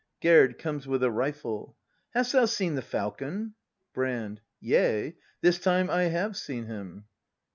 Gerd. [Comes with a rifle.] Hast thou seen the falcon? Brand. Yea; This time I have seen him.